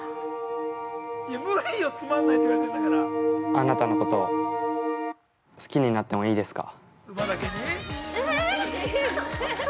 ◆あなたのこと、好きになってもいいですか？